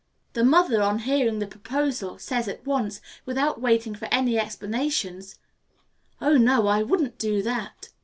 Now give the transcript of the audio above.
The mother, on hearing the proposal, says at once, without waiting for any explanations, "Oh no, I would not do that.